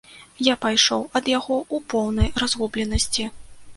Я пайшоў ад яго ў поўнай разгубленасці.